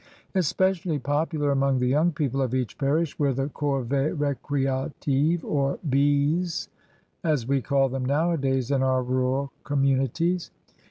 Especially popular among the young people of each parish were the corvSes rScrSaiwes, or "bees" as we call them nowadays in our rural commimi ties.